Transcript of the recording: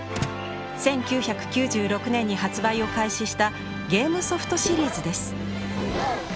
１９９６年に発売を開始したゲームソフトシリーズです。